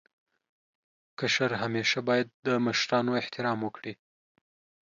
کشر همېشه باید د مشرانو احترام وکړي.